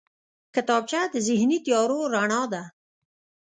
کتابچه د ذهني تیارو رڼا ده